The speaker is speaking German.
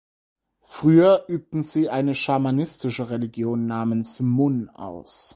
Früher übten sie eine schamanistische Religion namens "Mun" aus.